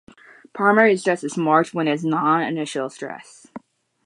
Primary stress is "marked when it is non-initial stress".